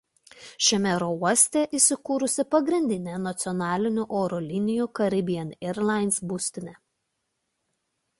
Šiame oro uoste įsikūrusi pagrindinė nacionalinių oro linijų Caribbean Airlines būstinė.